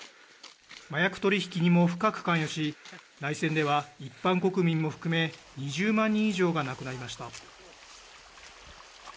麻薬取り引きにも深く関与し、内戦では一般国民も含め、２０万人以上が亡くなりました。